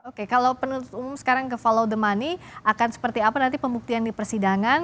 oke kalau penuntut umum sekarang ke follow the money akan seperti apa nanti pembuktian di persidangan